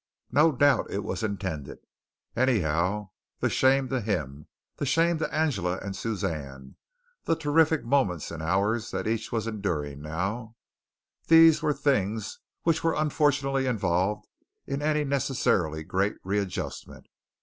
No doubt it was intended. Anyhow, the shame to him, the shame to Angela and Suzanne, the terrific moments and hours that each was enduring now these were things which were unfortunately involved in any necessarily great readjustment.